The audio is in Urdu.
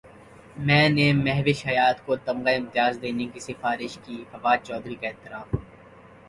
میں نے مہوش حیات کو تمغہ امتیاز دینے کی سفارش کی فواد چوہدری کا اعتراف